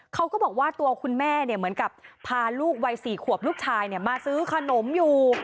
เขาก็บอกว่าตัวคุณแม่เหมือนกับพาลูกวัย๔ขวบลูกชายมาซื้อขนมอยู่